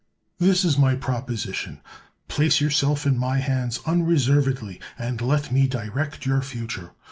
This is my proposition: place yourself in my hands unreservedly, and let me direct your future.